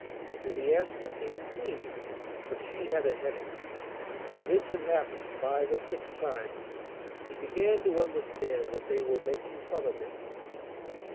Then he asked to see the Queen, but she had a headache. When this had happened five or six times, he began to understand that they were making fun of him.